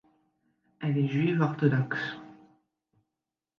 Elle est juive orthodoxe.